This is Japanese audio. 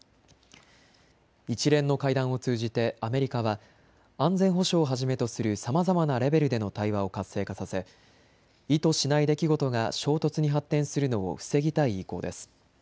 一連の会談を通じてアメリカは安全保障をはじめとするさまざまなレベルでの対話を活性化させ意図しない出来事が衝突に発展するのを防ぎたい意向です。